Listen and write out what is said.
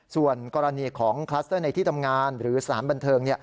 ส่วนกรณีของคลัสเตอร์ในที่ทำงานหรือสถานบันเทิง